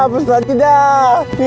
bapak surat tidak